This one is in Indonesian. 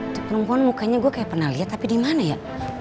itu perempuan mukanya gue kayak pernah liat tapi dimana ya